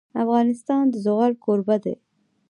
افغانستان د زغال کوربه دی.